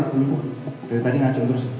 dari tadi ngacung terus